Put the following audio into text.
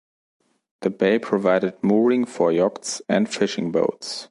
The bay provided mooring for yachts and fishing boats.